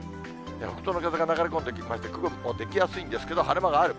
北東の風が流れ込んできまして、雲も出来やすいんですけど、晴れ間がある。